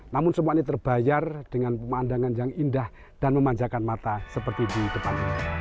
namun semua ini terbayar dengan pemandangan yang indah dan memanjakan mata seperti di depan ini